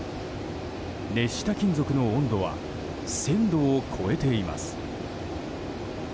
熱した金属の温度は１０００度を超えています。